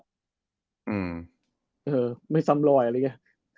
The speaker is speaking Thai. เออไม่ซ้ำรอยอะไรอย่างนี้